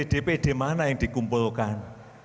dpd mana yang dikumpulkan